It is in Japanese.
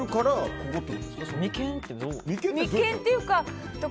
眉間っていうか。